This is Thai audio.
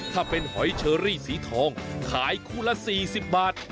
ถ้าเป็นหอยเชอรี่สีทองขายคู่ละ๔๐บาท